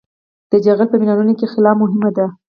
د جغل په منرالونو کې خلا مهمه ده